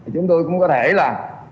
chúng tôi cũng có thể là